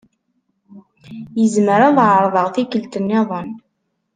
Izmer ad ɛeṛḍeɣ tikkelt nniḍen.